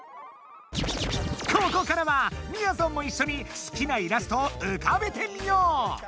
ここからはみやぞんも一緒に好きなイラストを浮かべてみよう！